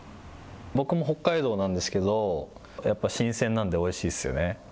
僕も北海道なんですけどやっぱり新鮮なんで、おいしいですよね。